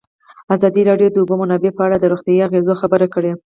ازادي راډیو د د اوبو منابع په اړه د روغتیایي اغېزو خبره کړې.